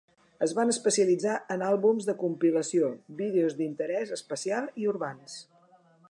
Es van especialitzar en àlbums de compilació, vídeos d'interès especial i urbans.